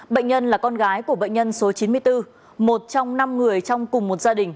bệnh nhân là con gái của bệnh nhân số chín mươi bốn một trong năm người trong cùng một gia đình